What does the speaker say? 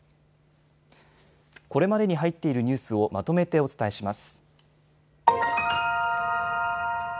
これまでに入っているニュースをまとめてお伝えします。